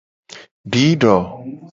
Dido.